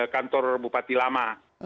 kantor bupati lama